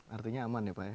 artinya aman ya pak ya